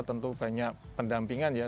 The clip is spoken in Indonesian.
tentu banyak pendampingan